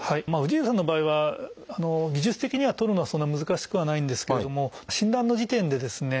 氏家さんの場合は技術的にはとるのはそんな難しくはないんですけれども診断の時点でですね